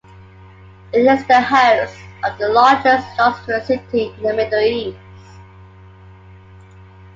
It is the host of the largest industrial city in the Middle East.